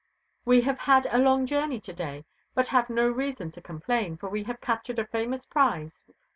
We have had a long journey to day, but have no reason to complain, for we have captured a famous prize.